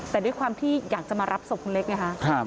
แต่ด้วยความที่อยากจะมารับศพคุณเล็กไงฮะ